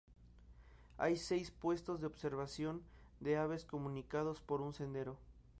Hay seis puestos de observación de aves comunicados por un sendero.